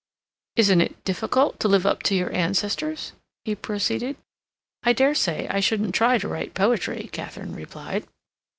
"Isn't it difficult to live up to your ancestors?" he proceeded. "I dare say I shouldn't try to write poetry," Katharine replied.